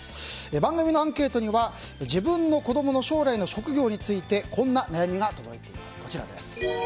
番組のアンケートには自分の子供の将来の職業についてこんな悩みが届いています。